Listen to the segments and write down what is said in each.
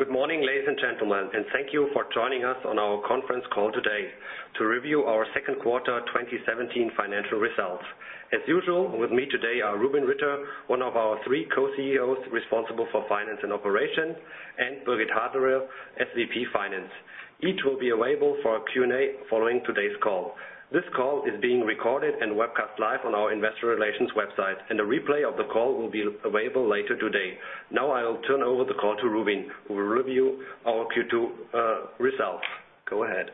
Good morning, ladies and gentlemen, and thank you for joining us on our conference call today to review our second quarter 2017 financial results. As usual, with me today are Rubin Ritter, one of our three co-CEOs responsible for finance and operations, and Birgit Haderer, SVP Finance. Each will be available for a Q&A following today's call. This call is being recorded and webcast live on our investor relations website, and a replay of the call will be available later today. I will turn over the call to Rubin, who will review our Q2 results. Go ahead.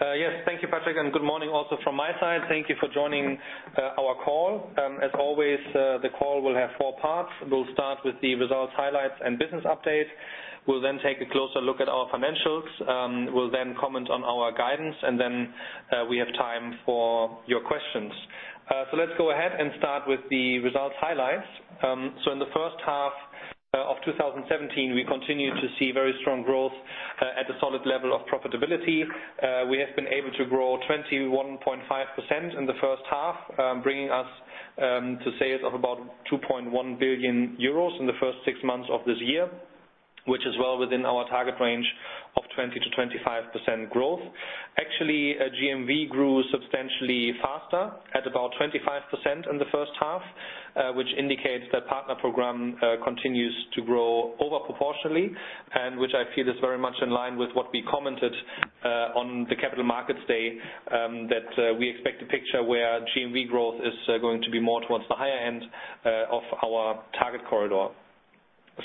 Yes. Thank you, Patrick. Good morning also from my side. Thank you for joining our call. As always, the call will have four parts. We'll start with the results highlights and business update. We'll take a closer look at our financials. We'll comment on our guidance, and we have time for your questions. Let's go ahead and start with the results highlights. In the first half of 2017, we continued to see very strong growth at a solid level of profitability. We have been able to grow 21.5% in the first half, bringing us to sales of about 2.1 billion euros in the first six months of this year, which is well within our target range of 20%-25% growth. Actually, GMV grew substantially faster at about 25% in the first half, which indicates that partner program continues to grow over proportionally, and which I feel is very much in line with what we commented on the Capital Markets Day, that we expect a picture where GMV growth is going to be more towards the higher end of our target corridor.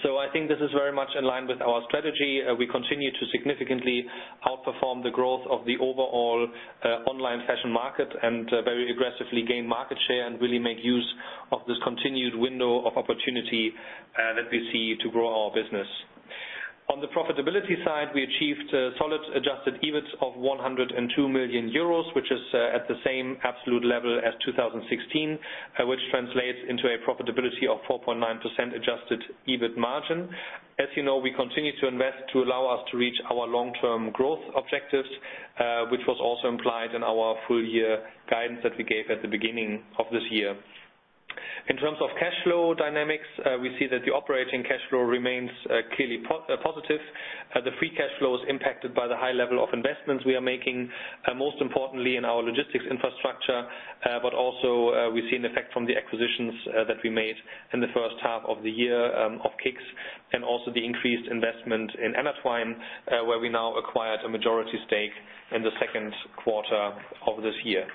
I think this is very much in line with our strategy. We continue to significantly outperform the growth of the overall online fashion market and very aggressively gain market share and really make use of this continued window of opportunity that we see to grow our business. On the profitability side, we achieved a solid adjusted EBIT of 102 million euros, which is at the same absolute level as 2016, which translates into a profitability of 4.9% adjusted EBIT margin. As you know, we continue to invest to allow us to reach our long-term growth objectives, which was also implied in our full year guidance that we gave at the beginning of this year. In terms of cash flow dynamics, we see that the operating cash flow remains clearly positive. The free cash flow is impacted by the high level of investments we are making, most importantly in our logistics infrastructure. Also, we see an effect from the acquisitions that we made in the first half of the year of KICKZ and also the increased investment in Anatwine, where we now acquired a majority stake in the second quarter of this year.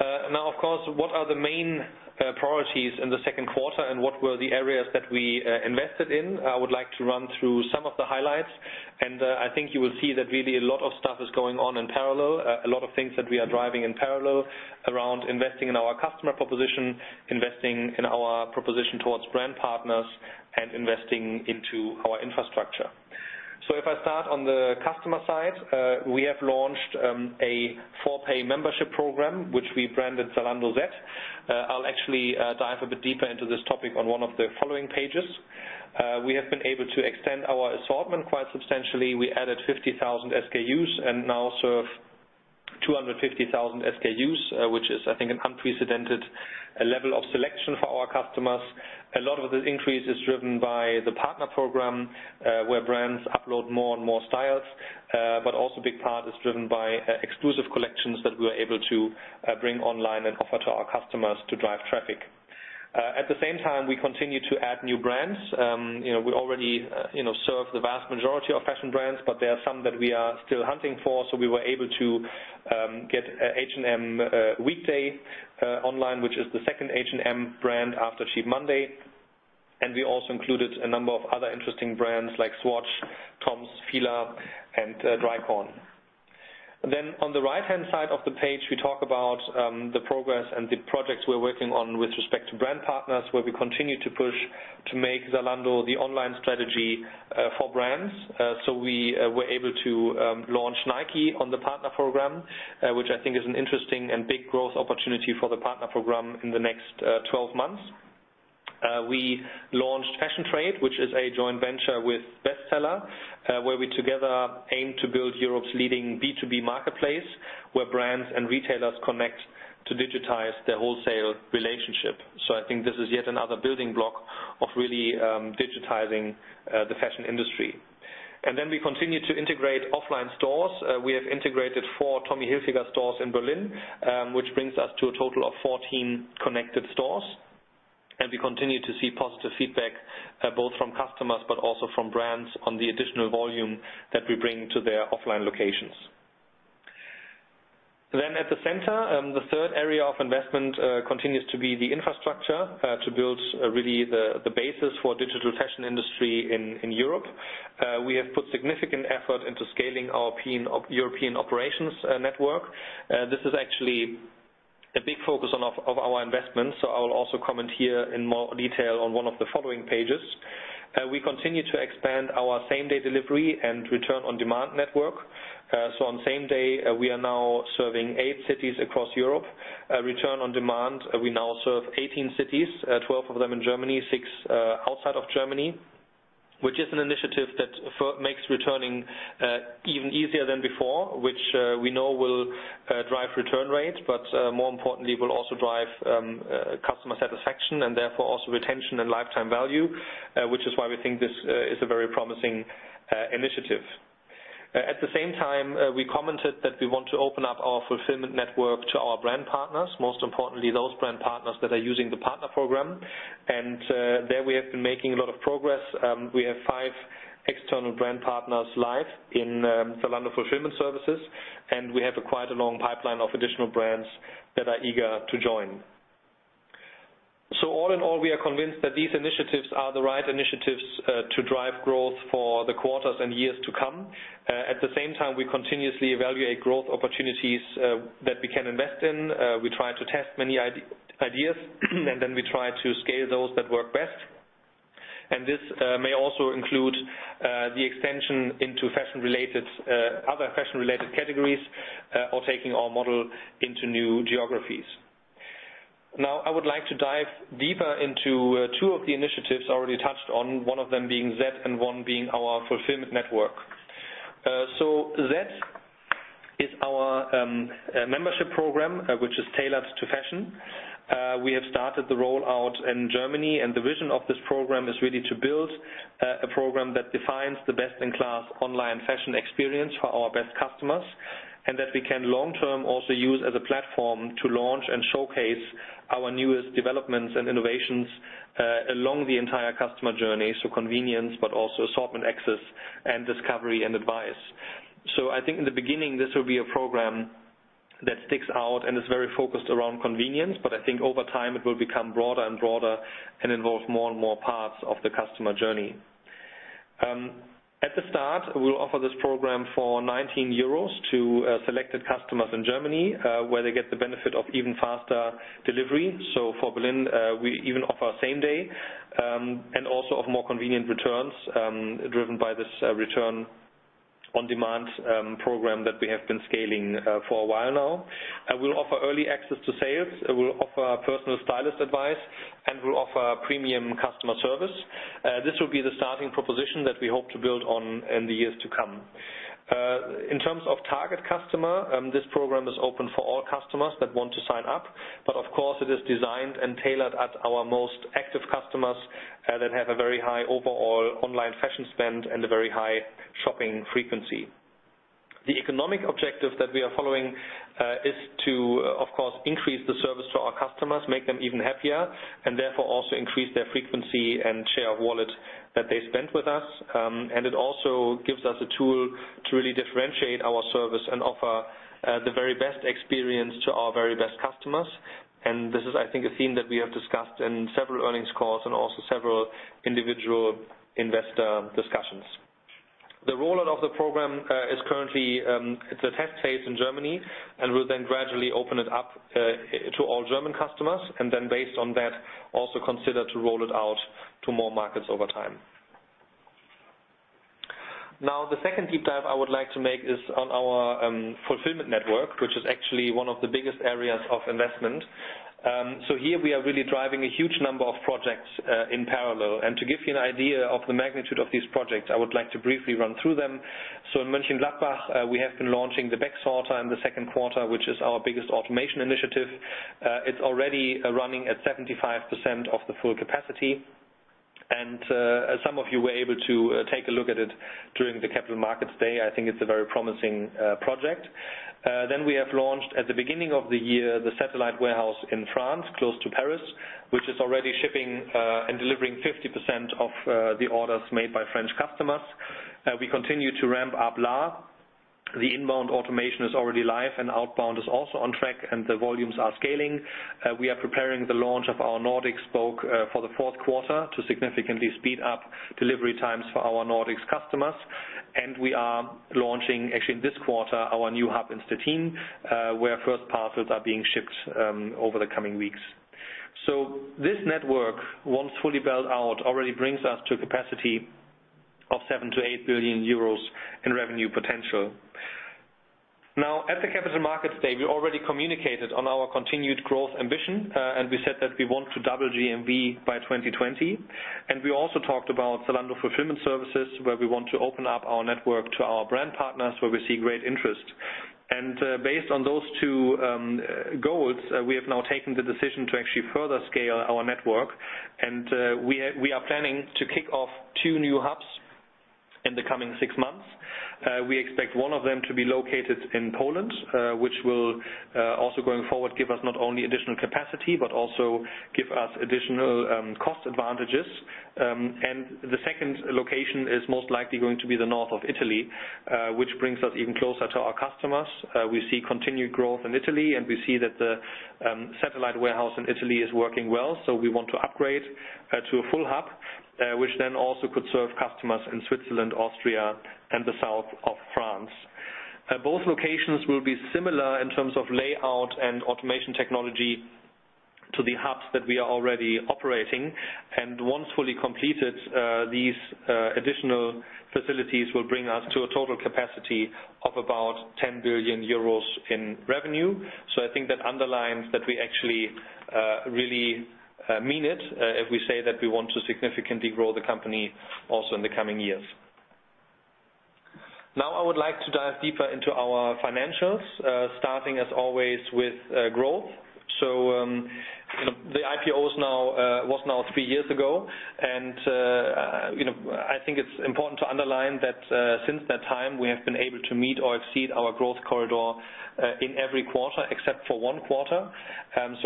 Of course, what are the main priorities in the second quarter and what were the areas that we invested in? I would like to run through some of the highlights, and I think you will see that really a lot of stuff is going on in parallel. A lot of things that we are driving in parallel around investing in our customer proposition, investing in our proposition towards brand partners, and investing into our infrastructure. If I start on the customer side, we have launched a paid membership program, which we branded Zalando Zet. I'll actually dive a bit deeper into this topic on one of the following pages. We have been able to extend our assortment quite substantially. We added 50,000 SKUs and now serve 250,000 SKUs, which is, I think, an unprecedented level of selection for our customers. A lot of the increase is driven by the partner program, where brands upload more and more styles. Also a big part is driven by exclusive collections that we're able to bring online and offer to our customers to drive traffic. At the same time, we continue to add new brands. We already serve the vast majority of fashion brands, but there are some that we are still hunting for. We were able to get H&M Weekday online, which is the second H&M brand after Cheap Monday. We also included a number of other interesting brands like Swatch, TOMS, Fila, and Drykorn. On the right-hand side of the page, we talk about the progress and the projects we're working on with respect to brand partners, where we continue to push to make Zalando the online strategy for brands. We were able to launch Nike on the partner program, which I think is an interesting and big growth opportunity for the partner program in the next 12 months. We launched FashionTrade, which is a joint venture with Bestseller, where we together aim to build Europe's leading B2B marketplace, where brands and retailers connect to digitize their wholesale relationship. I think this is yet another building block of really digitizing the fashion industry. We continue to integrate offline stores. We have integrated four Tommy Hilfiger stores in Berlin, which brings us to a total of 14 connected stores. We continue to see positive feedback, both from customers but also from brands on the additional volume that we bring to their offline locations. At the center, the third area of investment continues to be the infrastructure to build really the basis for digital fashion industry in Europe. We have put significant effort into scaling our European operations network. This is actually a big focus of our investment, I will also comment here in more detail on one of the following pages. We continue to expand our same day delivery and return on demand network. On same day, we are now serving eight cities across Europe. Return on demand, we now serve 18 cities, 12 of them in Germany, six outside of Germany, which is an initiative that makes returning even easier than before, which we know will drive return rates, but more importantly, will also drive customer satisfaction and therefore also retention and lifetime value, which is why we think this is a very promising initiative. At the same time, we commented that we want to open up our fulfillment network to our brand partners, most importantly, those brand partners that are using the partner program. There we have been making a lot of progress. We have five external brand partners live in Zalando Fulfilment Solutions, and we have quite a long pipeline of additional brands that are eager to join. All in all, we are convinced that these initiatives are the right initiatives to drive growth for the quarters and years to come. At the same time, we continuously evaluate growth opportunities that we can invest in. We try to test many ideas, and then we try to scale those that work best. This may also include the extension into other fashion-related categories or taking our model into new geographies. Now I would like to dive deeper into two of the initiatives already touched on, one of them being Zet and one being our fulfillment network. Zet is our membership program, which is tailored to fashion. We have started the rollout in Germany, and the vision of this program is really to build a program that defines the best-in-class online fashion experience for our best customers, and that we can long-term also use as a platform to launch and showcase our newest developments and innovations along the entire customer journey. Convenience, but also assortment, access and discovery and advice. I think in the beginning this will be a program that sticks out and is very focused around convenience. I think over time it will become broader and broader and involve more and more parts of the customer journey. At the start, we'll offer this program for 19 euros to selected customers in Germany, where they get the benefit of even faster delivery. For Berlin, we even offer same day delivery, and also of more convenient returns, driven by this return on demand program that we have been scaling for a while now. We'll offer early access to sales. We'll offer personal stylist advice and we'll offer premium customer service. This will be the starting proposition that we hope to build on in the years to come. In terms of target customer, this program is open for all customers that want to sign up, but of course it is designed and tailored at our most active customers that have a very high overall online fashion spend and a very high shopping frequency. The economic objective that we are following is to, of course, increase the service to our customers, make them even happier, and therefore also increase their frequency and share of wallet that they spend with us. It also gives us a tool to really differentiate our service and offer the very best experience to our very best customers. This is, I think, a theme that we have discussed in several earnings calls and also several individual investor discussions. The rollout of the program is currently at the test phase in Germany. We'll then gradually open it up to all German customers and then based on that, also consider to roll it out to more markets over time. The second deep dive I would like to make is on our fulfillment network, which is actually one of the biggest areas of investment. Here we are really driving a huge number of projects in parallel. To give you an idea of the magnitude of these projects, I would like to briefly run through them. In Mönchengladbach, we have been launching the bag sorter in the second quarter, which is our biggest automation initiative. It's already running at 75% of the full capacity, and some of you were able to take a look at it during the Capital Markets Day. I think it's a very promising project. Then we have launched at the beginning of the year, the satellite warehouse in France, close to Paris, which is already shipping and delivering 50% of the orders made by French customers. We continue to ramp up Lahr. The inbound automation is already live and outbound is also on track and the volumes are scaling. We are preparing the launch of our Nordics spoke for the fourth quarter to significantly speed up delivery times for our Nordics customers. We are launching, actually in this quarter, our new hub in Szczecin, where first parcels are being shipped over the coming weeks. This network, once fully built out, already brings us to a capacity of 7 billion-8 billion euros in revenue potential. Now at the Capital Markets Day, we already communicated on our continued growth ambition, and we said that we want to double GMV by 2020. We also talked about Zalando Fulfilment Solutions, where we want to open up our network to our brand partners, where we see great interest. Based on those two goals, we have now taken the decision to actually further scale our network. We are planning to kick off two new hubs in the coming six months. We expect one of them to be located in Poland, which will also going forward, give us not only additional capacity but also give us additional cost advantages. The second location is most likely going to be the north of Italy, which brings us even closer to our customers. We see continued growth in Italy, and we see that the satellite warehouse in Italy is working well. We want to upgrade to a full hub, which then also could serve customers in Switzerland, Austria and the south of France. Both locations will be similar in terms of layout and automation technology to the hubs that we are already operating. Once fully completed, these additional facilities will bring us to a total capacity of about 10 billion euros in revenue. I think that underlines that we actually really mean it if we say that we want to significantly grow the company also in the coming years. Now I would like to dive deeper into our financials, starting as always with growth. The IPO was now three years ago. I think it's important to underline that since that time, we have been able to meet or exceed our growth corridor in every quarter except for one quarter.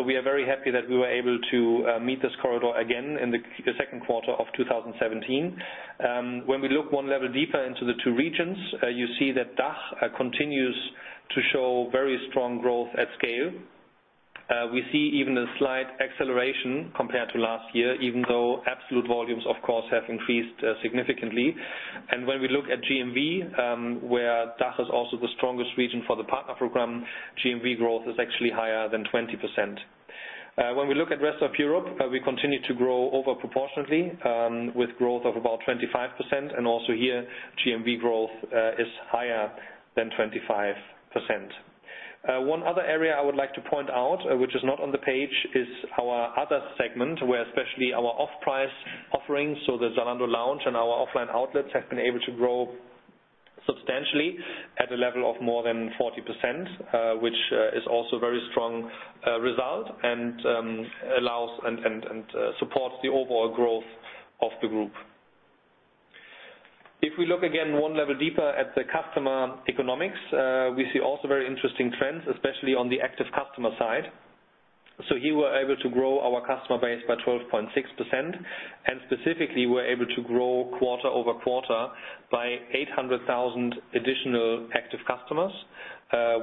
We are very happy that we were able to meet this corridor again in the second quarter of 2017. When we look one level deeper into the two regions, you see that DACH continues to show very strong growth at scale. We see even a slight acceleration compared to last year, even though absolute volumes, of course, have increased significantly. When we look at GMV, where DACH is also the strongest region for the partner program, GMV growth is actually higher than 20%. When we look at rest of Europe, we continue to grow over proportionately, with growth of about 25%. Also here, GMV growth is higher than 25%. One other area I would like to point out, which is not on the page, is our other segment, where especially our off-price offerings, so the Zalando Lounge and our offline outlets have been able to grow substantially at a level of more than 40%, which is also a very strong result and supports the overall growth of the group. If we look again one level deeper at the customer economics, we see also very interesting trends, especially on the active customer side. Here we were able to grow our customer base by 12.6% and specifically were able to grow quarter-over-quarter by 800,000 additional active customers,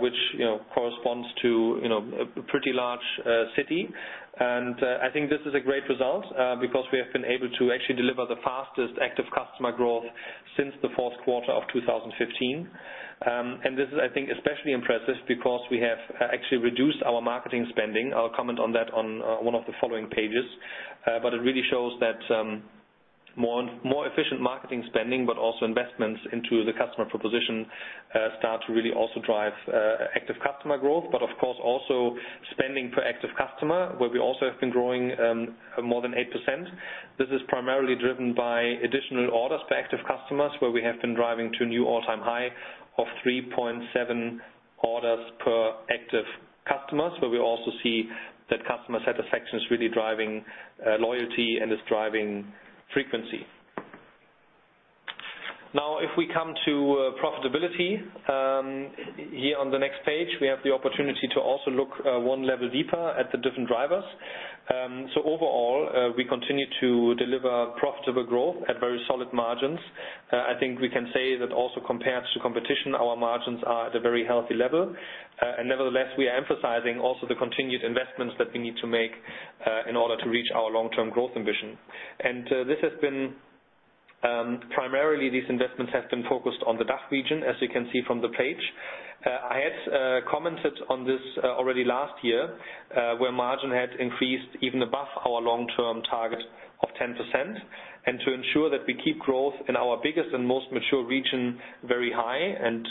which corresponds to a pretty large city. I think this is a great result, because we have been able to actually deliver the fastest active customer growth since the fourth quarter of 2015. This is, I think, especially impressive because we have actually reduced our marketing spending. I'll comment on that on one of the following pages. It really shows that more efficient marketing spending, also investments into the customer proposition, start to really also drive active customer growth. Of course, also spending per active customer, where we also have been growing more than 8%. This is primarily driven by additional orders for active customers, where we have been driving to a new all-time high of 3.7 orders per active customers, where we also see that customer satisfaction is really driving loyalty and is driving frequency. If we come to profitability. Here on the next page, we have the opportunity to also look one level deeper at the different drivers. Overall, we continue to deliver profitable growth at very solid margins. I think we can say that also compared to competition, our margins are at a very healthy level. Nevertheless, we are emphasizing also the continued investments that we need to make in order to reach our long-term growth ambition. Primarily, these investments have been focused on the DACH region, as you can see from the page. I had commented on this already last year, where margin had increased even above our long-term target of 10%. To ensure that we keep growth in our biggest and most mature region very high and,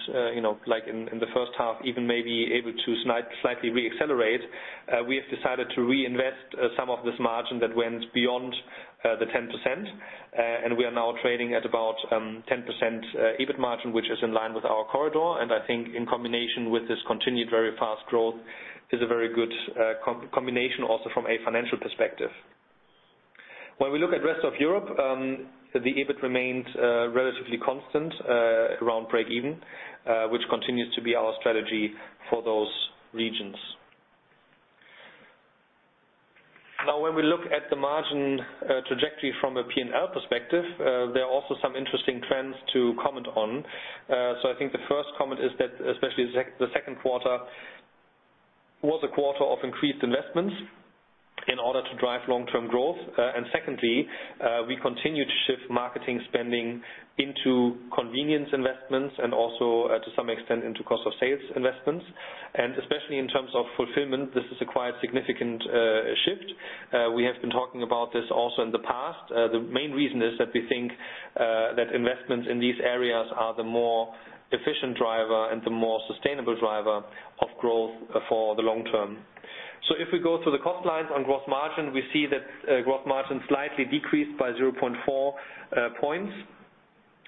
like in the first half, even maybe able to slightly re-accelerate, we have decided to reinvest some of this margin that went beyond the 10%. We are now trading at about 10% EBIT margin, which is in line with our corridor. I think in combination with this continued very fast growth is a very good combination also from a financial perspective. When we look at rest of Europe, the EBIT remains relatively constant around break even, which continues to be our strategy for those regions. When we look at the margin trajectory from a P&L perspective, there are also some interesting trends to comment on. I think the first comment is that especially the second quarter was a quarter of increased investments in order to drive long-term growth. Secondly, we continued to shift marketing spending into convenience investments and also to some extent into cost of sales investments. Especially in terms of fulfillment, this is a quite significant shift. We have been talking about this also in the past. The main reason is that we think that investments in these areas are the more efficient driver and the more sustainable driver of growth for the long term. If we go through the cost lines on gross margin, we see that gross margin slightly decreased by 0.4 points,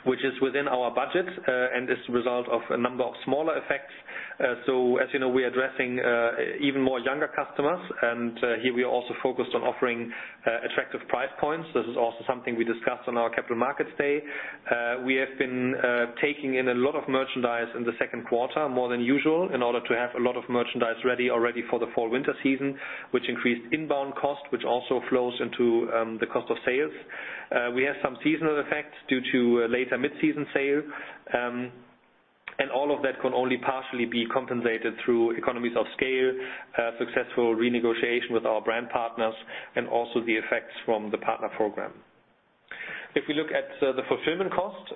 which is within our budget and is a result of a number of smaller effects. As you know, we are addressing even more younger customers, and here we are also focused on offering attractive price points. This is also something we discussed on our Capital Markets Day. We have been taking in a lot of merchandise in the second quarter, more than usual, in order to have a lot of merchandise ready already for the fall/winter season, which increased inbound cost, which also flows into the cost of sales. We have some seasonal effects due to a later mid-season sale. All of that can only partially be compensated through economies of scale, successful renegotiation with our brand partners, and also the effects from the partner program. If we look at the fulfillment cost,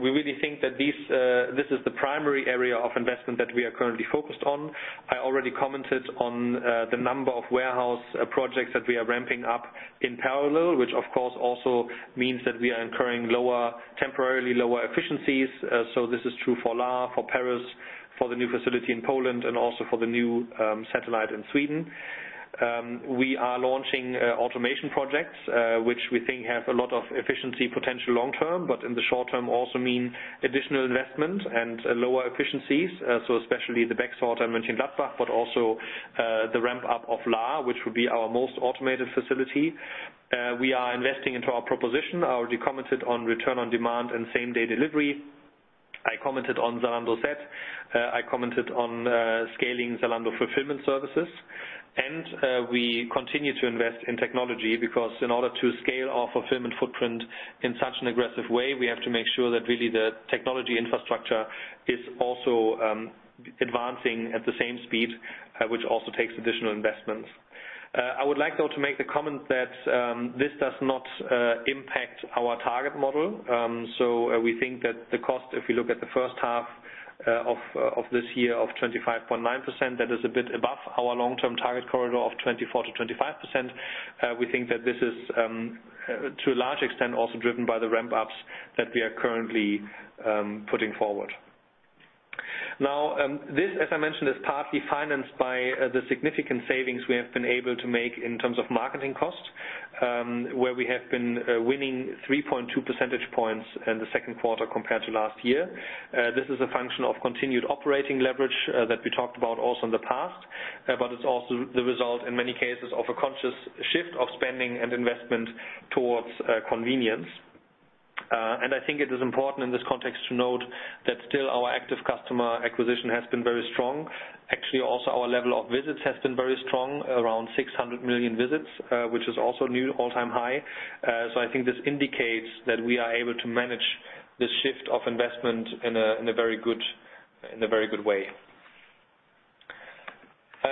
we really think that this is the primary area of investment that we are currently focused on. I already commented on the number of warehouse projects that we are ramping up in parallel, which of course also means that we are incurring temporarily lower efficiencies. This is true for Lahr, for Paris, for the new facility in Poland, and also for the new satellite in Sweden. We are launching automation projects, which we think have a lot of efficiency potential long-term, but in the short term also mean additional investment and lower efficiencies. Especially the bag sorter I mentioned Lahr, but also the ramp-up of Lahr, which will be our most automated facility. We are investing into our proposition. I already commented on return on demand and same-day delivery. I commented on Zalando Zet. I commented on scaling Zalando Fulfilment Solutions. We continue to invest in technology, because in order to scale our fulfillment footprint in such an aggressive way, we have to make sure that really the technology infrastructure is also advancing at the same speed, which also takes additional investments. I would like, though, to make the comment that this does not impact our target model. We think that the cost, if you look at the first half of this year of 25.9%, that is a bit above our long-term target corridor of 24%-25%. This, as I mentioned, is partly financed by the significant savings we have been able to make in terms of marketing costs, where we have been winning 3.2 percentage points in the second quarter compared to last year. This is a function of continued operating leverage that we talked about also in the past. It's also the result, in many cases, of a conscious shift of spending and investment towards convenience. I think it is important in this context to note that still our active customer acquisition has been very strong. Actually, also our level of visits has been very strong, around 600 million visits, which is also new all-time high. I think this indicates that we are able to manage this shift of investment in a very good way.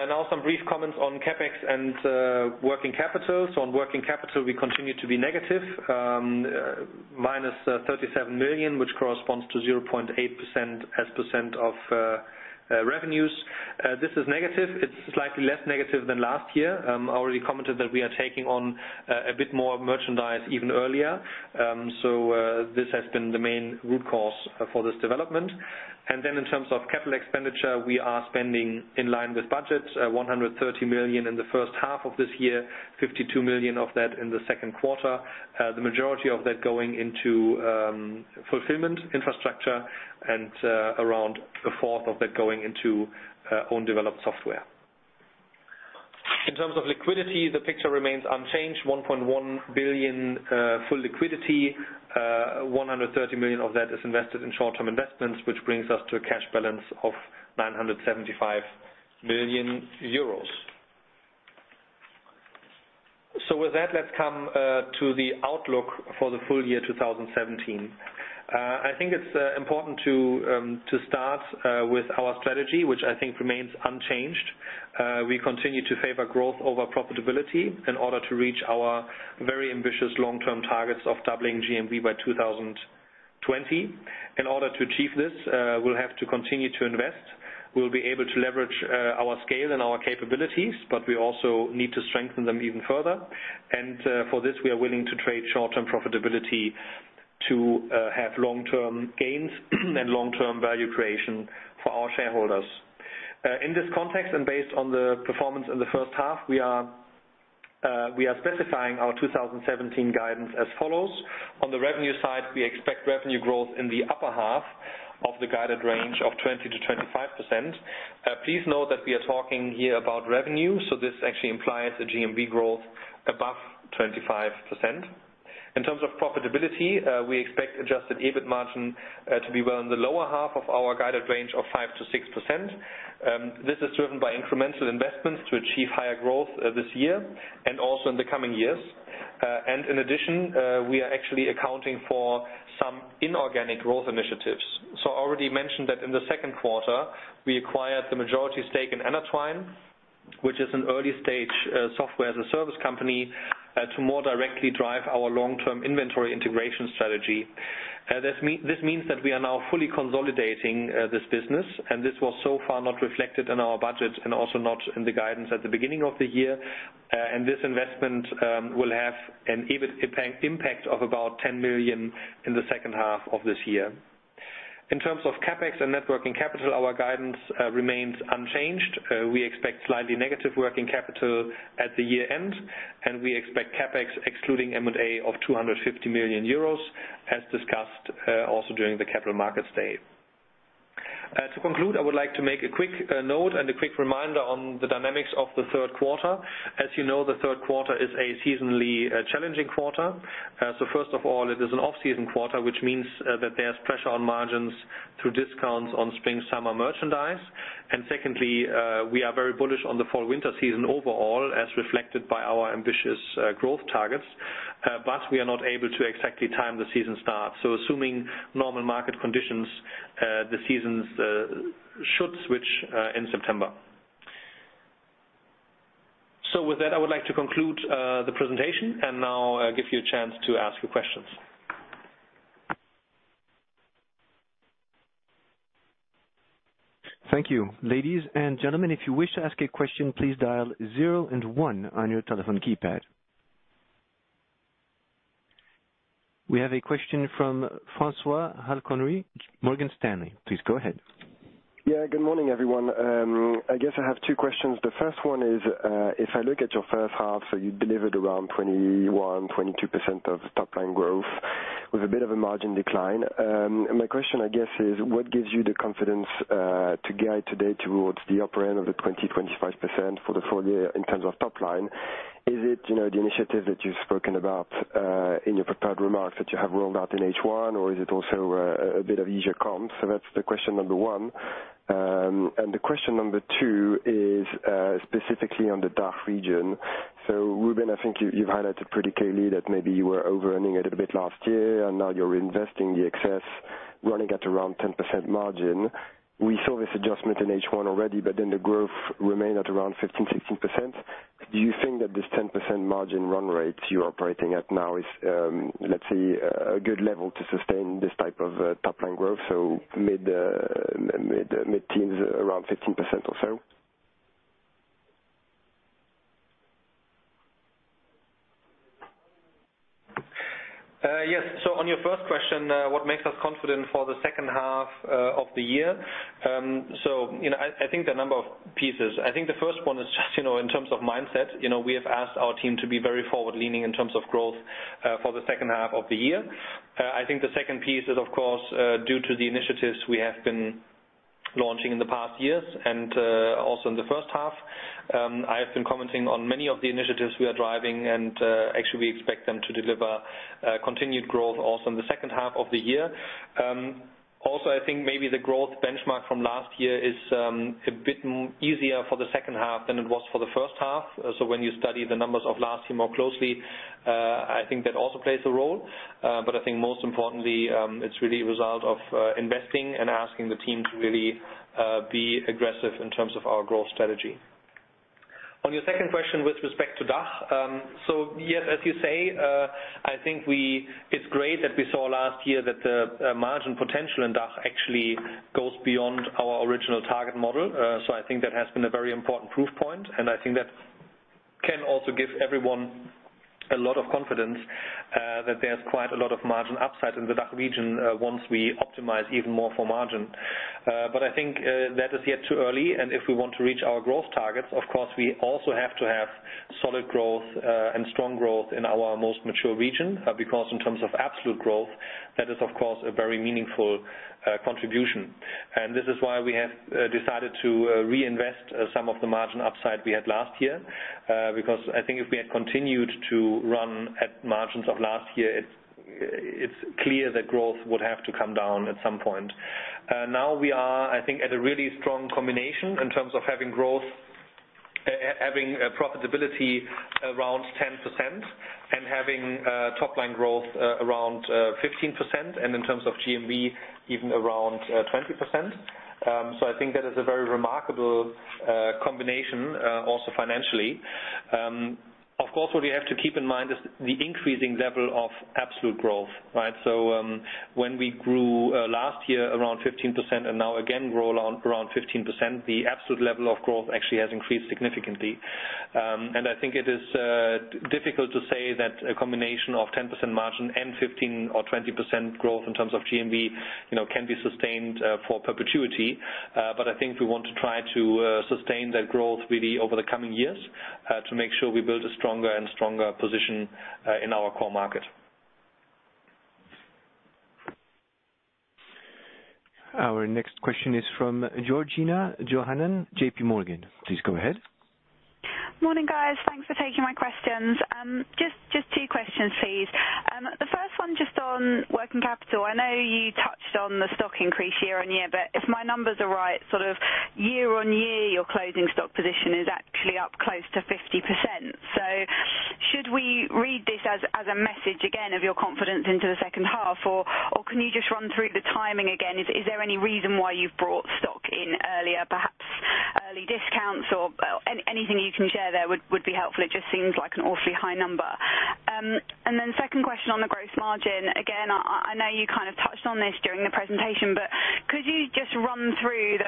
Now some brief comments on CapEx and working capital. On working capital, we continue to be negative, -37 million, which corresponds to 0.8% as percent of revenues. This is negative. It's slightly less negative than last year. I already commented that we are taking on a bit more merchandise even earlier. This has been the main root cause for this development. In terms of capital expenditure, we are spending in line with budget, 130 million in the first half of this year, 52 million of that in the second quarter. The majority of that going into fulfillment infrastructure and around a fourth of that going into own developed software. In terms of liquidity, the picture remains unchanged. 1.1 billion full liquidity. 130 million of that is invested in short-term investments, which brings us to a cash balance of 975 million euros. With that, let's come to the outlook for the full year 2017. I think it's important to start with our strategy, which I think remains unchanged. We continue to favor growth over profitability in order to reach our very ambitious long-term targets of doubling GMV by 2020. In order to achieve this, we'll have to continue to invest. We'll be able to leverage our scale and our capabilities, we also need to strengthen them even further. For this, we are willing to trade short-term profitability to have long-term gains and long-term value creation for our shareholders. In this context, based on the performance in the first half, we are specifying our 2017 guidance as follows. On the revenue side, we expect revenue growth in the upper half of the guided range of 20%-25%. Please note that we are talking here about revenue, this actually implies a GMV growth above 25%. In terms of profitability, we expect adjusted EBIT margin to be well in the lower half of our guided range of 5%-6%. This is driven by incremental investments to achieve higher growth this year and also in the coming years. In addition, we are actually accounting for some inorganic growth initiatives. I already mentioned that in the second quarter, we acquired the majority stake in Anatwine, which is an early-stage Software as a Service company to more directly drive our long-term inventory integration strategy. This means that we are now fully consolidating this business, this was so far not reflected in our budget and also not in the guidance at the beginning of the year. This investment will have an EBIT impact of about 10 million in the second half of this year. In terms of CapEx and net working capital, our guidance remains unchanged. We expect slightly negative working capital at the year-end, and we expect CapEx excluding M&A of 250 million euros, as discussed also during the capital markets day. To conclude, I would like to make a quick note and a quick reminder on the dynamics of the third quarter. As you know, the third quarter is a seasonally challenging quarter. First of all, it is an off-season quarter, which means that there is pressure on margins through discounts on spring-summer merchandise. Secondly, we are very bullish on the fall-winter season overall, as reflected by our ambitious growth targets. We are not able to exactly time the season start. Assuming normal market conditions, the seasons should switch in September. With that, I would like to conclude the presentation and now give you a chance to ask your questions. Thank you. Ladies and gentlemen, if you wish to ask a question, please dial zero and one on your telephone keypad. We have a question from François Halconruy, Morgan Stanley. Please go ahead. Good morning, everyone. I guess I have two questions. The first one is, if I look at your first half, you delivered around 21%-22% of top-line growth with a bit of a margin decline. My question, I guess is, what gives you the confidence to guide today towards the upper end of the 20%-25% for the full year in terms of top line? Is it the initiative that you've spoken about, in your prepared remarks that you have rolled out in H1, or is it also a bit of easier comps? That's the question number one. The question number two is, specifically on the DACH region. Rubin, I think you've highlighted pretty clearly that maybe you were over-earning a little bit last year and now you're investing the excess, running at around 10% margin. We saw this adjustment in H1 already, the growth remained at around 15%-16%. Do you think that this 10% margin run rate you're operating at now is, let's say, a good level to sustain this type of, top-line growth? Mid-teens, around 15% or so? Yes. On your first question, what makes us confident for the second half of the year? I think there are a number of pieces. I think the first one is just in terms of mindset. We have asked our team to be very forward-leaning in terms of growth for the second half of the year. I think the second piece is of course, due to the initiatives we have been launching in the past years and also in the first half. I have been commenting on many of the initiatives we are driving and actually we expect them to deliver continued growth also in the second half of the year. I think maybe the growth benchmark from last year is a bit easier for the second half than it was for the first half. When you study the numbers of last year more closely, I think that also plays a role. I think most importantly, it's really a result of investing and asking the team to really be aggressive in terms of our growth strategy. On your second question with respect to DACH, yes, as you say, I think it's great that we saw last year that the margin potential in DACH actually goes beyond our original target model. I think that has been a very important proof point, and I think that can also give everyone a lot of confidence that there's quite a lot of margin upside in the DACH region once we optimize even more for margin. I think that is yet too early, and if we want to reach our growth targets, of course we also have to have solid growth and strong growth in our most mature region, because in terms of absolute growth, that is of course a very meaningful contribution. This is why we have decided to reinvest some of the margin upside we had last year. I think if we had continued to run at margins of last year, it's clear that growth would have to come down at some point. We are, I think, at a really strong combination in terms of having profitability around 10% and having top-line growth around 15%, and in terms of GMV, even around 20%. I think that is a very remarkable combination, also financially. Of course, what we have to keep in mind is the increasing level of absolute growth, right? When we grew last year around 15% and now again grow around 15%, the absolute level of growth actually has increased significantly. I think it is difficult to say that a combination of 10% margin and 15% or 20% growth in terms of GMV can be sustained for perpetuity. I think we want to try to sustain that growth really over the coming years, to make sure we build a stronger and stronger position in our core market. Our next question is from Georgina Johanan, JPMorgan. Please go ahead. Morning, guys. Thanks for taking my questions. Just two questions, please. The first one just on working capital. I know you touched on the stock increase year-on-year, but if my numbers are right, year-on-year, your closing stock position is actually up close to 50%. Should we read this as a message again of your confidence into the second half, or can you just run through the timing again? Is there any reason why you've brought stock in earlier, perhaps early discounts or anything you can share there would be helpful. It just seems like an awfully high number. Second question on the gross margin. Again, I know you touched on this during the presentation, but could you just run through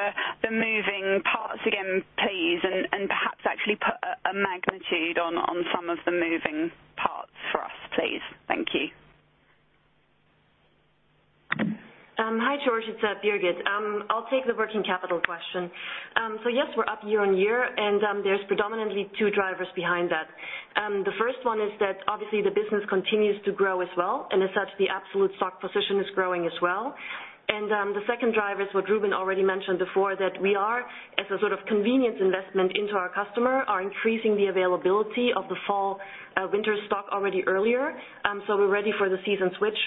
the moving parts again, please, and perhaps actually put a magnitude on some of the moving parts for us, please? Thank you. Hi, George, it's Birgit. I'll take the working capital question. Yes, we're up year-on-year and there's predominantly two drivers behind that. The first one is that obviously the business continues to grow as well, and as such, the absolute stock position is growing as well. The second driver is what Rubin already mentioned before, that we are, as a sort of convenience investment into our customer, are increasing the availability of the fall/winter stock already earlier. We're ready for the season switch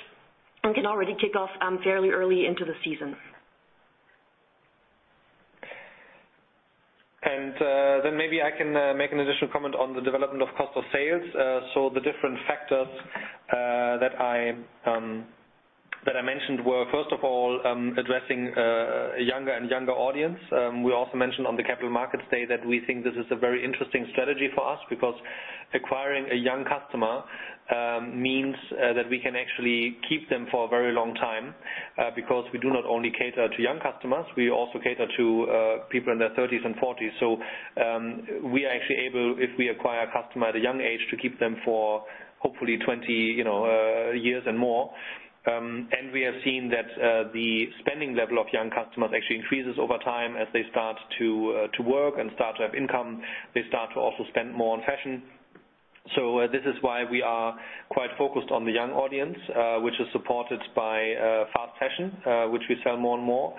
and can already kick off fairly early into the season. Then maybe I can make an additional comment on the development of cost of sales. The different factors that I mentioned were, first of all, addressing a younger and younger audience. We also mentioned on the Capital Markets Day that we think this is a very interesting strategy for us because acquiring a young customer means that we can actually keep them for a very long time. We do not only cater to young customers, we also cater to people in their 30s and 40s. We are actually able, if we acquire a customer at a young age, to keep them for hopefully 20 years and more. We have seen that the spending level of young customers actually increases over time as they start to work and start to have income, they start to also spend more on fashion. This is why we are quite focused on the young audience, which is supported by fast fashion which we sell more and more,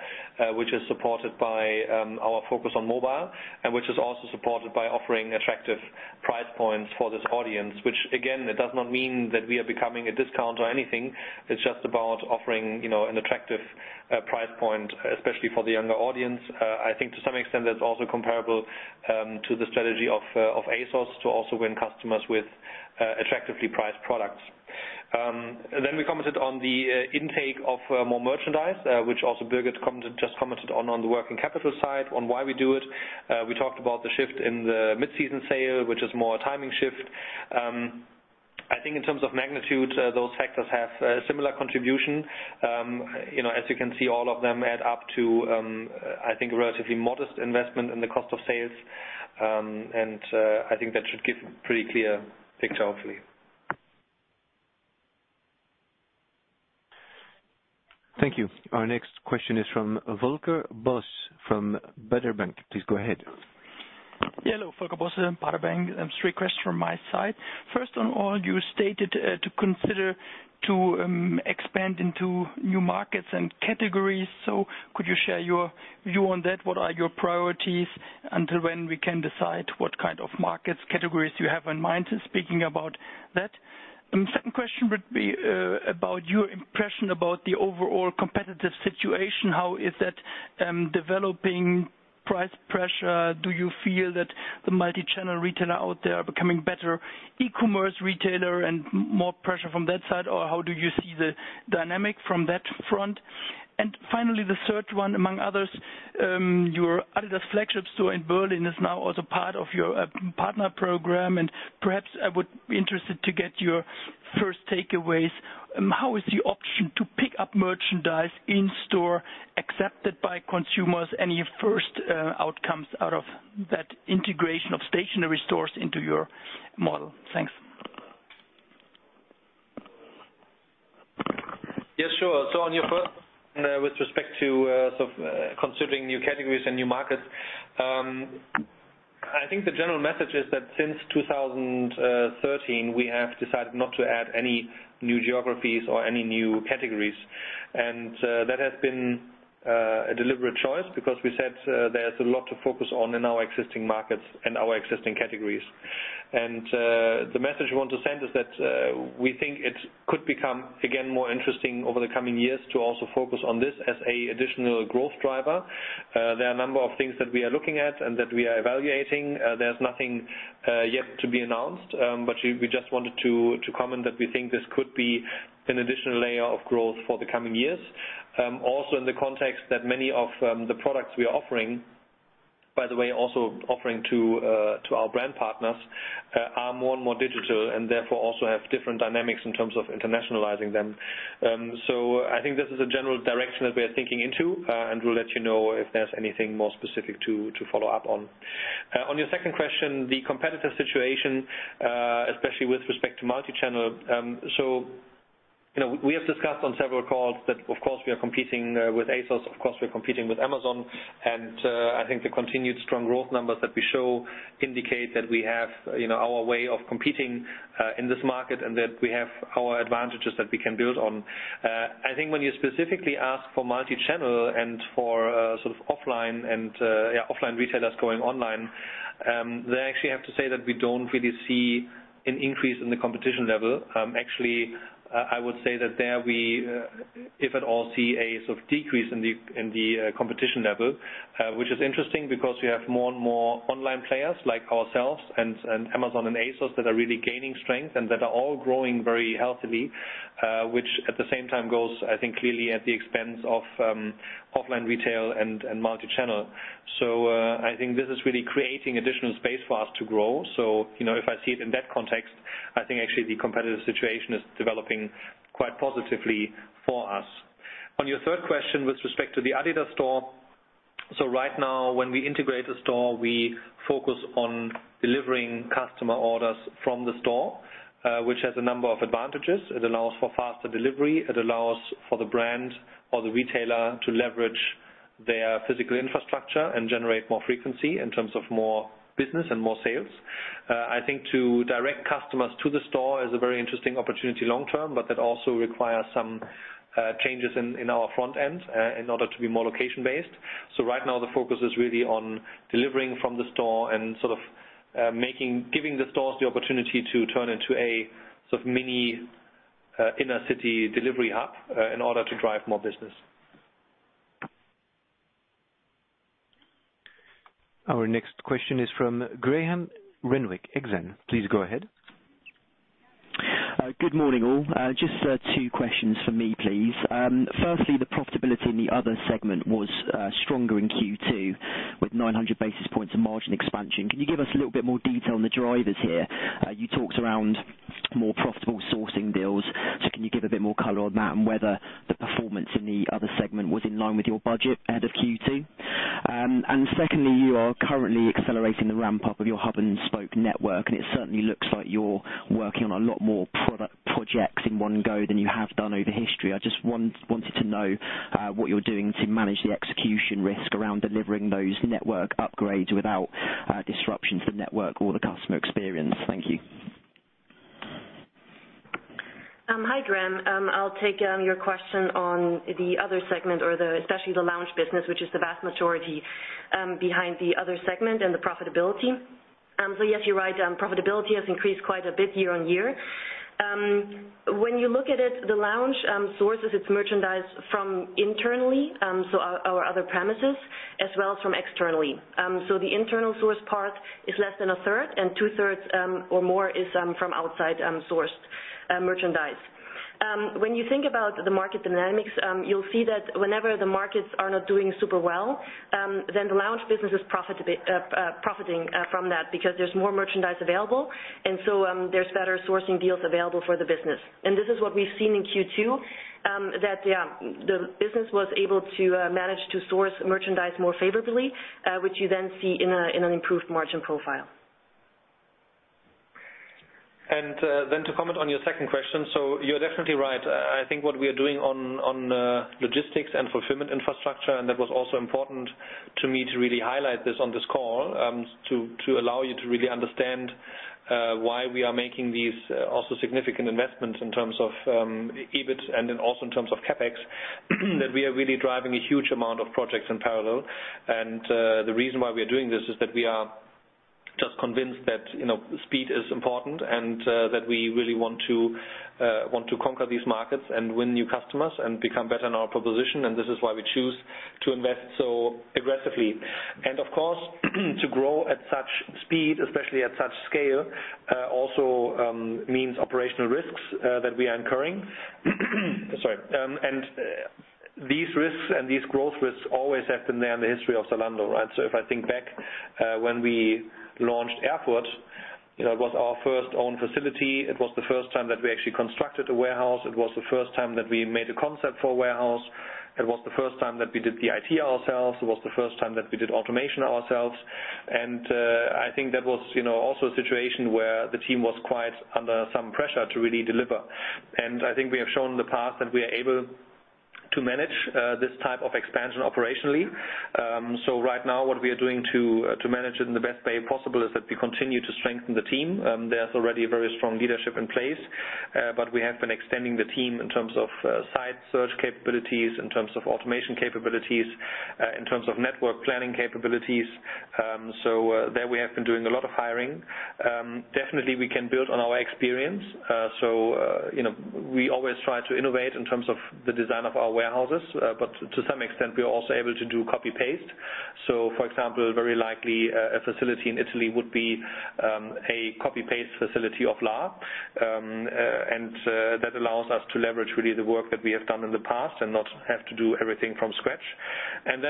which is supported by our focus on mobile and which is also supported by offering attractive price points for this audience. Which again, it does not mean that we are becoming a discount or anything. It is just about offering an attractive price point, especially for the younger audience. I think to some extent that is also comparable to the strategy of ASOS to also win customers with attractively priced products. We commented on the intake of more merchandise, which also Birgit just commented on the working capital side, on why we do it. We talked about the shift in the mid-season sale, which is more a timing shift. I think in terms of magnitude, those factors have a similar contribution. As you can see, all of them add up to I think a relatively modest investment in the cost of sales. I think that should give a pretty clear picture, hopefully. Thank you. Our next question is from Volker Bosse from Baader Bank. Please go ahead. Hello. Volker Bosse, Baader Bank. Three questions from my side. First of all, you stated to consider to expand into new markets and categories. Could you share your view on that? What are your priorities? When we can decide what kind of markets, categories you have in mind, speaking about that. Second question would be about your impression about the overall competitive situation. How is that developing price pressure? Do you feel that the multichannel retailer out there are becoming better e-commerce retailer and more pressure from that side? Or how do you see the dynamic from that front? Finally, the third one, among others, your Adidas flagship store in Berlin is now also part of your partner program. Perhaps I would be interested to get your first takeaways. How is the option to pick up merchandise in store accepted by consumers? Any first outcomes out of that integration of stationary stores into your model? Thanks. Yeah, sure. On your first, with respect to considering new categories and new markets. I think the general message is that since 2013, we have decided not to add any new geographies or any new categories. That has been a deliberate choice because we said there's a lot to focus on in our existing markets and our existing categories. The message we want to send is that we think it could become, again, more interesting over the coming years to also focus on this as a additional growth driver. There are a number of things that we are looking at and that we are evaluating. There's nothing yet to be announced. We just wanted to comment that we think this could be an additional layer of growth for the coming years. Also in the context that many of the products we are offering, by the way, also offering to our brand partners, are more and more digital and therefore also have different dynamics in terms of internationalizing them. I think this is a general direction that we are thinking into. We'll let you know if there's anything more specific to follow up on. On your second question, the competitive situation, especially with respect to multichannel. We have discussed on several calls that, of course, we are competing with ASOS. Of course, we're competing with Amazon. I think the continued strong growth numbers that we show indicate that we have our way of competing in this market and that we have our advantages that we can build on. I think when you specifically ask for multichannel and for sort of offline and, yeah, offline retailers going online, then I actually have to say that we don't really see an increase in the competition level. Actually, I would say that there we, if at all, see a sort of decrease in the competition level. Which is interesting because we have more and more online players like ourselves and Amazon and ASOS that are really gaining strength and that are all growing very healthily. Which at the same time goes, I think, clearly at the expense of offline retail and multichannel. I think this is really creating additional space for us to grow. If I see it in that context, I think actually the competitive situation is developing quite positively for us. On your third question, with respect to the Adidas store. Right now, when we integrate a store, we focus on delivering customer orders from the store, which has a number of advantages. It allows for faster delivery. It allows for the brand or the retailer to leverage their physical infrastructure and generate more frequency in terms of more business and more sales. I think to direct customers to the store is a very interesting opportunity long term, but that also requires some changes in our front end in order to be more location based. Right now the focus is really on delivering from the store and sort of making, giving the stores the opportunity to turn into a sort of mini inner city delivery hub in order to drive more business. Our next question is from Graham Renwick, Exane. Please go ahead. Good morning, all. Just two questions from me, please. Firstly, the profitability in the other segment was stronger in Q2 with 900 basis points of margin expansion. Can you give us a little bit more detail on the drivers here? You talked around More profitable sourcing deals. Can you give a bit more color on that and whether the performance in the other segment was in line with your budget ahead of Q2? Secondly, you are currently accelerating the ramp-up of your hub-and-spoke network, and it certainly looks like you're working on a lot more product projects in one go than you have done over history. I just wanted to know what you're doing to manage the execution risk around delivering those network upgrades without disruption to the network or the customer experience. Thank you. Hi, Graham. I'll take your question on the other segment or especially the lounge business, which is the vast majority behind the other segment and the profitability. Yes, you're right. Profitability has increased quite a bit year-on-year. When you look at it, the lounge sources its merchandise from internally, so our other premises, as well as from externally. The internal source part is less than a third, and two-thirds or more is from outside sourced merchandise. When you think about the market dynamics, you'll see that whenever the markets are not doing super well, then the lounge business is profiting from that because there's more merchandise available, so there's better sourcing deals available for the business. This is what we've seen in Q2, that, yeah, the business was able to manage to source merchandise more favorably, which you then see in an improved margin profile. To comment on your second question. You're definitely right. I think what we are doing on logistics and fulfillment infrastructure, that was also important to me to really highlight this on this call, to allow you to really understand why we are making these also significant investments in terms of EBIT and also in terms of CapEx, that we are really driving a huge amount of projects in parallel. The reason why we are doing this is that we are just convinced that speed is important and that we really want to conquer these markets and win new customers and become better in our proposition, this is why we choose to invest so aggressively. Of course, to grow at such speed, especially at such scale, also means operational risks that we are incurring. Sorry. These risks and these growth risks always have been there in the history of Zalando, right? If I think back when we launched Erfurt, it was our first own facility. It was the first time that we actually constructed a warehouse. It was the first time that we made a concept for a warehouse. It was the first time that we did the IT ourselves. It was the first time that we did automation ourselves. I think that was also a situation where the team was quite under some pressure to really deliver. I think we have shown in the past that we are able to manage this type of expansion operationally. Right now, what we are doing to manage it in the best way possible is that we continue to strengthen the team. There's already a very strong leadership in place, but we have been extending the team in terms of site search capabilities, in terms of automation capabilities, in terms of network planning capabilities. There we have been doing a lot of hiring. Definitely, we can build on our experience. We always try to innovate in terms of the design of our warehouses. To some extent, we are also able to do copy-paste. For example, very likely a facility in Italy would be a copy-paste facility of Lahr. That allows us to leverage really the work that we have done in the past and not have to do everything from scratch.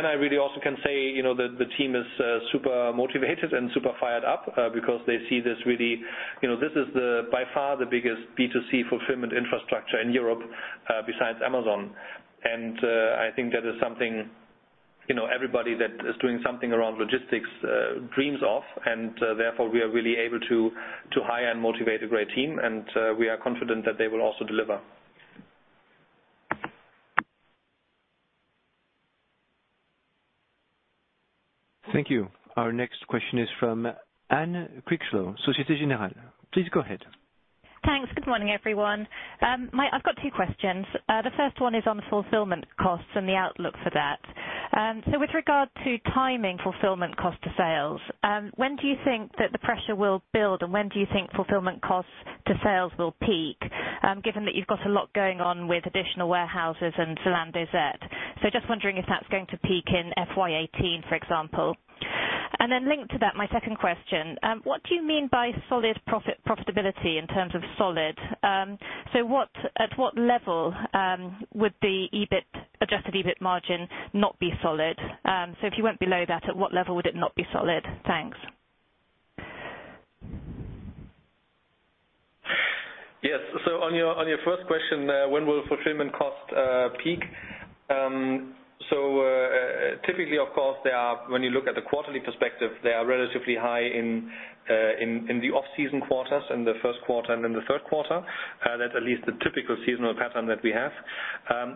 I really also can say that the team is super motivated and super fired up because they see this is by far the biggest B2C fulfillment infrastructure in Europe besides Amazon. I think that is something everybody that is doing something around logistics dreams of, and therefore we are really able to hire and motivate a great team, and we are confident that they will also deliver. Thank you. Our next question is from Anne Critchlow, Societe Generale. Please go ahead. Thanks. Good morning, everyone. I've got two questions. The first one is on the fulfillment costs and the outlook for that. With regard to timing fulfillment cost to sales, when do you think that the pressure will build, and when do you think fulfillment costs to sales will peak, given that you've got a lot going on with additional warehouses and Zalando Zet? Just wondering if that's going to peak in FY 2018, for example. Then linked to that, my second question. What do you mean by solid profitability in terms of solid? At what level would the adjusted EBIT margin not be solid? If you went below that, at what level would it not be solid? Thanks. Yes. On your first question, when will fulfillment cost peak? Typically, of course, when you look at the quarterly perspective, they are relatively high in the off-season quarters, in the first quarter and in the third quarter. That's at least the typical seasonal pattern that we have.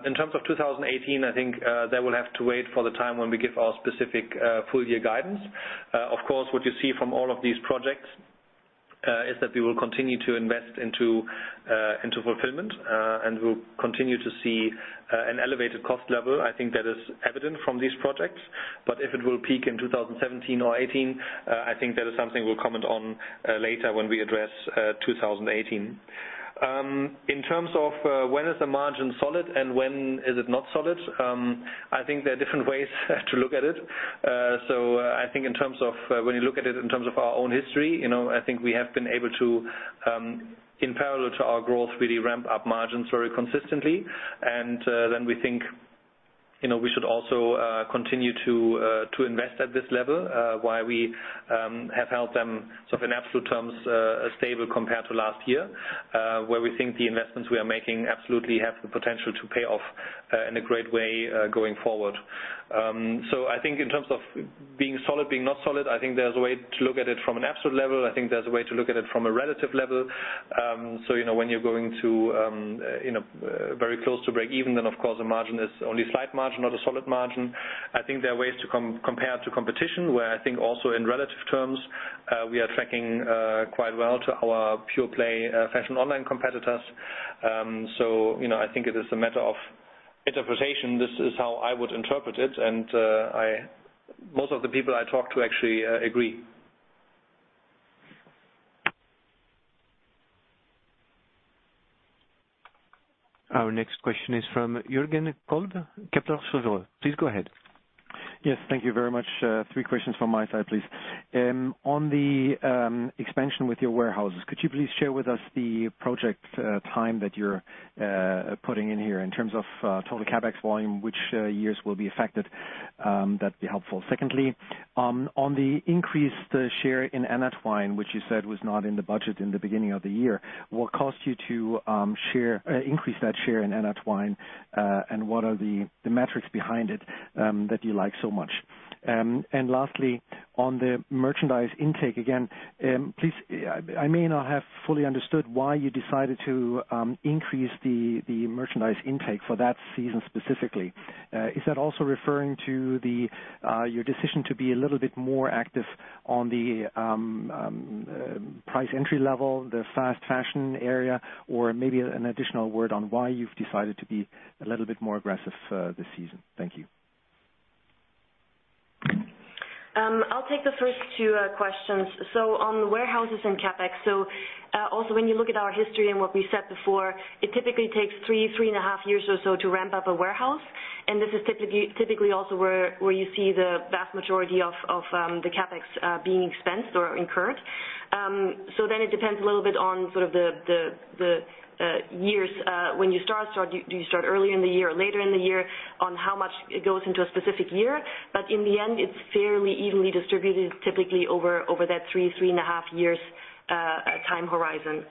In terms of 2018, I think that will have to wait for the time when we give our specific full-year guidance. Of course, what you see from all of these projects is that we will continue to invest into fulfillment, and we'll continue to see an elevated cost level. I think that is evident from these projects. If it will peak in 2017 or 2018, I think that is something we'll comment on later when we address 2018. In terms of when is the margin solid and when is it not solid, I think there are different ways to look at it. I think when you look at it in terms of our own history, I think we have been able to, in parallel to our growth, really ramp up margins very consistently. We think we should also continue to invest at this level, while we have held them in absolute terms stable compared to last year, where we think the investments we are making absolutely have the potential to pay off in a great way going forward. I think in terms of being solid, being not solid, I think there's a way to look at it from an absolute level. I think there's a way to look at it from a relative level. When you're going very close to break even, of course, a margin is only slight margin, not a solid margin. I think there are ways to compare to competition, where I think also in relative terms, we are tracking quite well to our pure play fashion online competitors. I think it is a matter of interpretation. This is how I would interpret it, and most of the people I talk to actually agree. Our next question is from Jürgen Kold, Capital. Please go ahead. Yes. Thank you very much. Three questions from my side, please. On the expansion with your warehouses, could you please share with us the project time that you're putting in here in terms of total CapEx volume, which years will be affected? That'd be helpful. Secondly, on the increased share in Anatwine, which you said was not in the budget in the beginning of the year, what cost you to increase that share in Anatwine, and what are the metrics behind it that you like so much? Lastly, on the merchandise intake. Again, I may not have fully understood why you decided to increase the merchandise intake for that season specifically. Is that also referring to your decision to be a little bit more active on the price entry level, the fast fashion area, or maybe an additional word on why you've decided to be a little bit more aggressive this season? Thank you. I'll take the first two questions. On the warehouses and CapEx. When you look at our history and what we said before, it typically takes three and a half years or so to ramp up a warehouse. This is typically also where you see the vast majority of the CapEx being expensed or incurred. It depends a little bit on the years when you start. Do you start early in the year or later in the year on how much it goes into a specific year? In the end, it's fairly evenly distributed, typically over that three and a half years time horizon.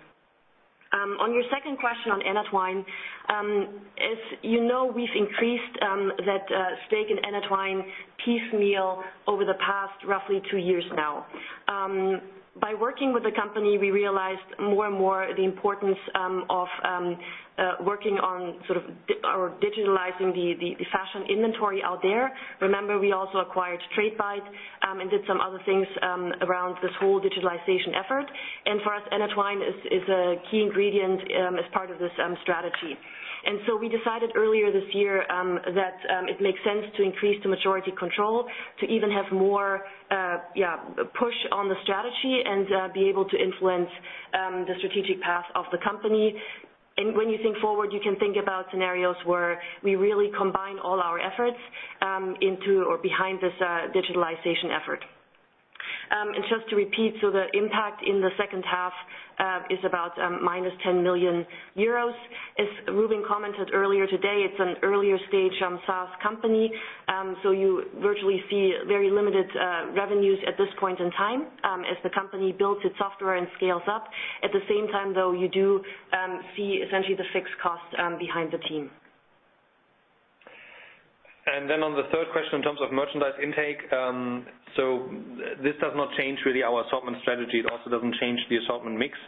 On your second question on Anatwine. As you know, we've increased that stake in Anatwine piecemeal over the past roughly two years now. By working with the company, we realized more and more the importance of working on digitalizing the fashion inventory out there. Remember, we also acquired Tradebyte and did some other things around this whole digitalization effort. For us, Anatwine is a key ingredient as part of this strategy. We decided earlier this year that it makes sense to increase the majority control to even have more push on the strategy and be able to influence the strategic path of the company. When you think forward, you can think about scenarios where we really combine all our efforts behind this digitalization effort. Just to repeat, the impact in the second half is about minus 10 million euros. As Rubin commented earlier today, it's an earlier stage SaaS company. You virtually see very limited revenues at this point in time as the company builds its software and scales up. At the same time, though, you do see essentially the fixed costs behind the team. On the third question, in terms of merchandise intake. This does not change, really, our assortment strategy. It also doesn't change the assortment mix.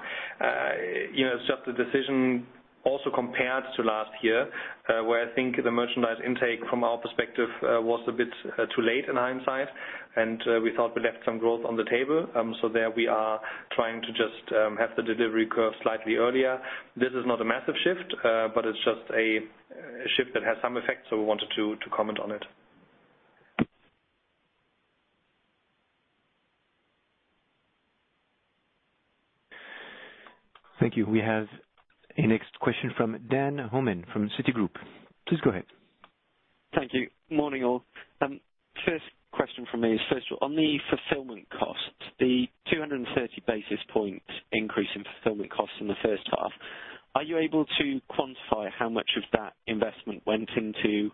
It's just a decision also compared to last year, where I think the merchandise intake from our perspective, was a bit too late in hindsight, and we thought we left some growth on the table. There we are trying to just have the delivery curve slightly earlier. This is not a massive shift. It's just a shift that has some effect. We wanted to comment on it. Thank you. We have a next question from Dan Homan from Citigroup. Please go ahead. Thank you. Morning, all. First question from me is first on the fulfillment cost, the 230 basis point increase in fulfillment cost in the first half. Are you able to quantify how much of that investment went into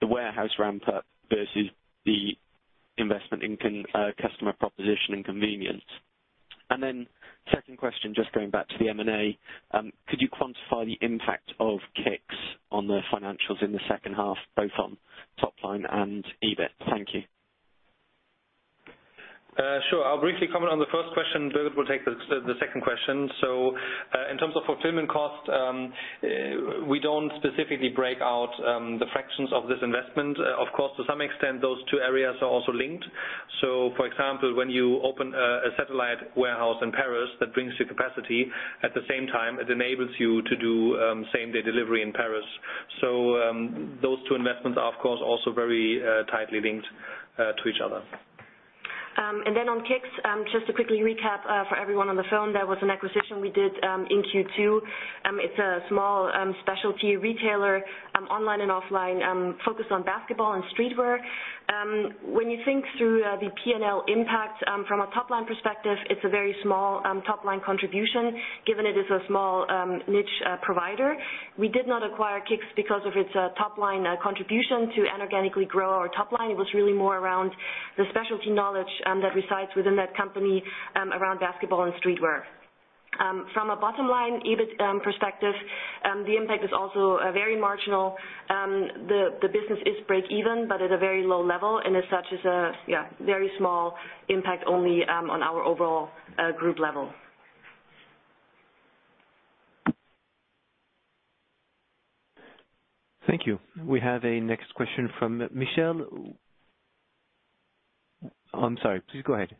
the warehouse ramp up versus the investment in customer proposition and convenience? Second question, just going back to the M&A. Could you quantify the impact of KICKZ on the financials in the second half, both on top line and EBIT? Thank you. Sure. I'll briefly comment on the first question. Birgit will take the second question. In terms of fulfillment cost, we don't specifically break out the fractions of this investment. Of course, to some extent, those two areas are also linked. For example, when you open a satellite warehouse in Paris, that brings you capacity. At the same time, it enables you to do same day delivery in Paris. Those two investments are, of course, also very tightly linked to each other. On KICKZ, just to quickly recap for everyone on the phone, that was an acquisition we did in Q2. It's a small specialty retailer, online and offline, focused on basketball and streetwear. When you think through the P&L impact from a top-line perspective, it's a very small top-line contribution, given it is a small niche provider. We did not acquire KICKZ because of its top-line contribution to inorganically grow our top line. It was really more around the specialty knowledge that resides within that company around basketball and streetwear. From a bottom-line EBIT perspective, the impact is also very marginal. The business is break even, but at a very low level, and as such is a very small impact only on our overall group level. Thank you. We have a next question from Michelle. I'm sorry, please go ahead.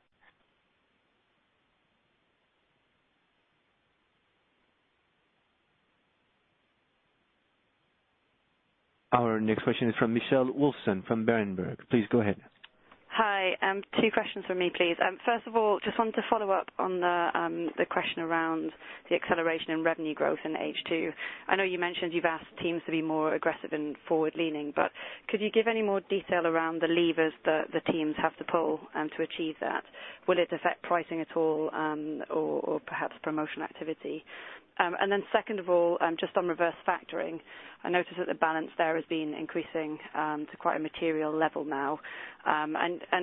Our next question is from Michelle Wilson from Berenberg. Please go ahead. Hi. 2 questions from me, please. First of all, just wanted to follow up on the question around the acceleration in revenue growth in H2. I know you mentioned you've asked teams to be more aggressive and forward-leaning, but could you give any more detail around the levers that the teams have to pull to achieve that? Will it affect pricing at all, or perhaps promotional activity? Second of all, just on reverse factoring, I noticed that the balance there has been increasing to quite a material level now.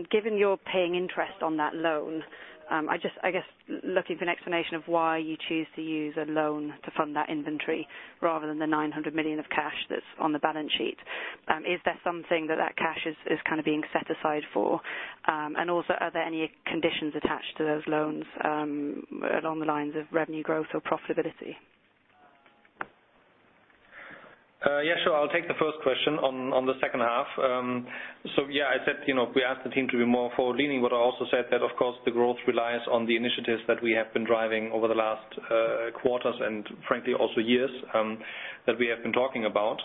Given you're paying interest on that loan, I guess looking for an explanation of why you choose to use a loan to fund that inventory rather than the 900 million of cash that's on the balance sheet. Is there something that cash is being set aside for? Also, are there any conditions attached to those loans along the lines of revenue growth or profitability? Sure. I'll take the first question on the second half. I said we asked the team to be more forward-leaning, but I also said that of course the growth relies on the initiatives that we have been driving over the last quarters and frankly, also years, that we have been talking about.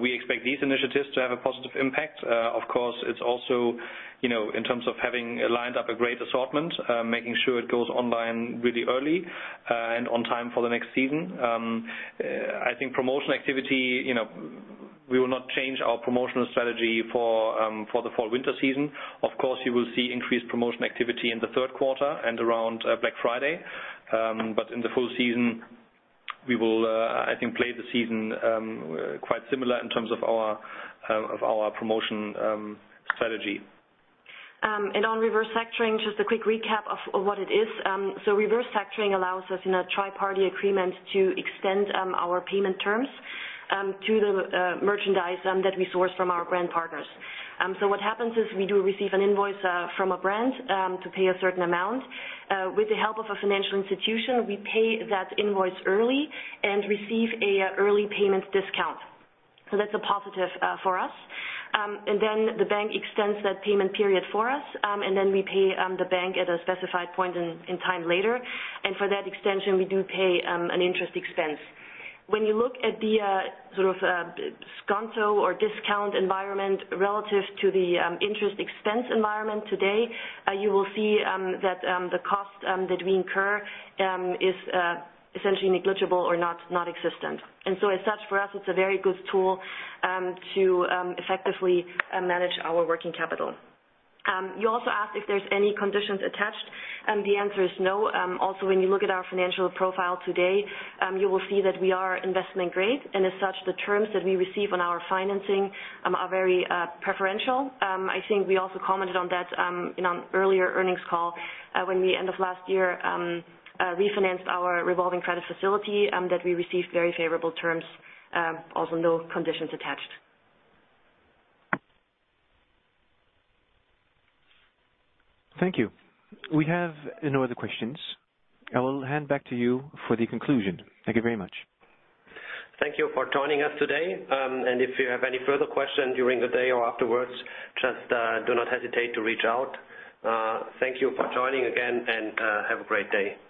We expect these initiatives to have a positive impact. Of course, it's also in terms of having lined up a great assortment, making sure it goes online really early and on time for the next season. I think promotional activity, we will not change our promotional strategy for the fall/winter season. Of course, you will see increased promotional activity in the third quarter and around Black Friday. In the full season, we will, I think, play the season quite similar in terms of our promotion strategy. On reverse factoring, just a quick recap of what it is. Reverse factoring allows us in a tri-party agreement to extend our payment terms to the merchandise that we source from our brand partners. What happens is we do receive an invoice from a brand to pay a certain amount. With the help of a financial institution, we pay that invoice early and receive an early payment discount. That's a positive for us. The bank extends that payment period for us, and then we pay the bank at a specified point in time later. For that extension, we do pay an interest expense. When you look at the sort of sconto or discount environment relative to the interest expense environment today, you will see that the cost that we incur is essentially negligible or nonexistent. As such, for us, it's a very good tool to effectively manage our working capital. You also asked if there's any conditions attached. The answer is no. Also, when you look at our financial profile today, you will see that we are investment grade, and as such, the terms that we receive on our financing are very preferential. I think we also commented on that in an earlier earnings call when we, end of last year, refinanced our revolving credit facility, that we received very favorable terms. Also, no conditions attached. Thank you. We have no other questions. I will hand back to you for the conclusion. Thank you very much. Thank you for joining us today. If you have any further questions during the day or afterwards, just do not hesitate to reach out. Thank you for joining again, and have a great day. Bye-bye.